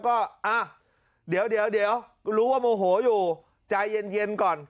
ก็อ่ะเดี๋ยวรู้ว่าโมโหอยู่ใจเย็นก่อน